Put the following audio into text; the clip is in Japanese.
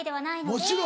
もちろん。